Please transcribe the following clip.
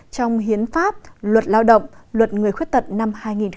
trong hiến pháp luật lao động luật người khuyết tật năm hai nghìn một mươi ba